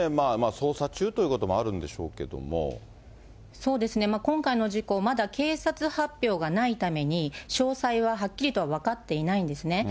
捜査中ということもあるんでしょそうですね、今回の事故、まだ警察発表がないために、詳細ははっきりとは分かっていないんですね。